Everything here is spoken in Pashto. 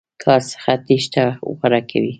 کار څخه تېښته غوره کوي.